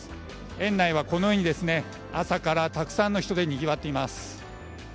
園内はこのように朝からたくさんの人でにぎわっています。